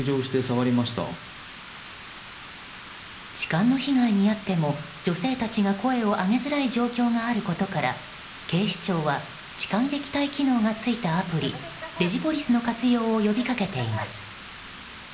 痴漢の被害に遭っても女性たちが声を上げづらい状況があることから警視庁は痴漢撃退機能が付いたデジポリスの活用を呼び掛けています。